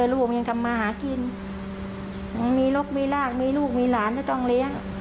ลูกมันยังทำมาหากินมีลูกมีลากมีลูกมีหลานก็ต้องเลี้ยง